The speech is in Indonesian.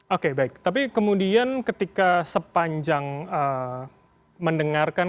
oke baik tapi kemudian ketika sepanjang mendengarkan